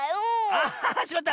あしまった！